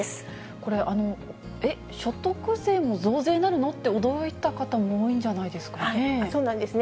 これ、所得税も増税になるの？って驚いた方も多いんじゃないですかね。